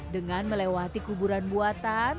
dengan melewati kuburan buatan